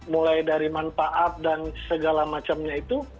mulai dari manfaat dan segala macamnya itu